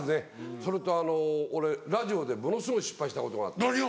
それとあの俺ラジオでものすごい失敗したことがあって。何を？